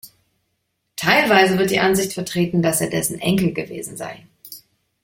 Teilweise wird die Ansicht vertreten, dass er dessen Enkel gewesen sei.